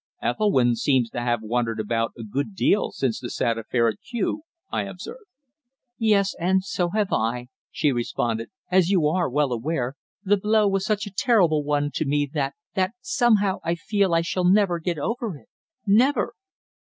"Ethelwynn seems to have wandered about a good deal since the sad affair at Kew," I observed. "Yes, and so have I," she responded. "As you are well aware, the blow was such a terrible one to me that that somehow I feel I shall never get over it never!"